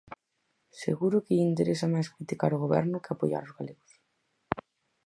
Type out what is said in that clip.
Seguro que lle interesa máis criticar o Goberno que apoiar os galegos.